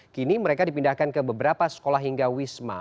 kini mereka dipindahkan ke beberapa sekolah hingga wisma